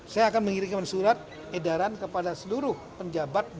saya akan mengirimkan surat edaran kepada seluruh penjabat